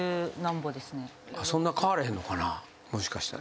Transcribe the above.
そんな変われへんのかなもしかしたら。